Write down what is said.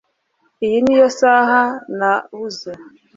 iyi niyo saha nabuze